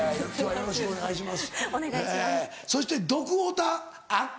よろしくお願いします。